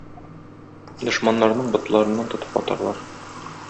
Дошманнарның ботларыннан тотып атарлар!